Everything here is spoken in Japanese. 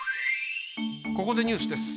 ここでニュースです。